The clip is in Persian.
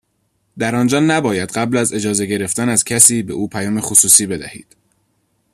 در آنجا نباید قبل از اجازه گرفتن از کسی، به او پیام خصوصی بدهید.